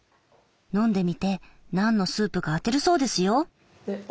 飲んでみて何のスープか当てるそうですよ。